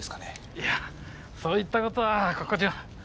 いやそういった事はここじゃ。